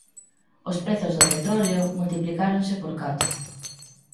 Os prezos do petróleo multiplicáronse por catro.